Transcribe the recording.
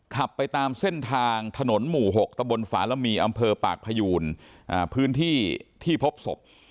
ขับไปตามเส้นทางถนนหมู่๖ตะบนฝาระมีอำเภอปากพยูนพื้นที่ที่พบศพ